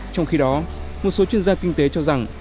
trong khi đó một số chuyên gia kinh tế cho rằng